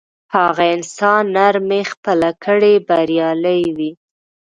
هغه انسان نرمي خپله کړي بریالی وي.